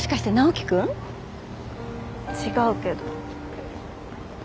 違うけど。